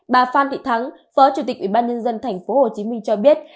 bà phan thị thắng phó chủ tịch ủy ban nhân dân tp hcm cho biết